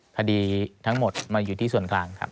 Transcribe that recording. คดีทั้งหมดมาอยู่ที่ส่วนกลางครับ